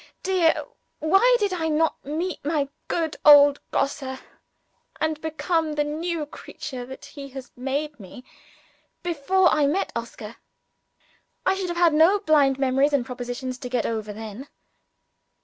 dear! why did I not meet my good old Grosse, and become the new creature that he has made me, before I met Oscar? I should have had no blind memories and prepossessions to get over then.